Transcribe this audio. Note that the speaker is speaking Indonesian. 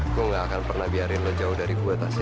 aku gak akan pernah biarin lu jauh dari gua tasya